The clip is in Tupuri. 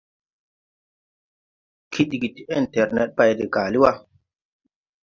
Kidgi ti ɛŋtɛrned bay de gaali wà.